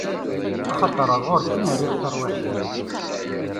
Axaṭer ar ɣur-k i n-rriɣ tarwiḥt-iw!